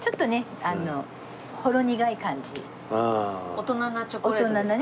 大人なチョコレートですか？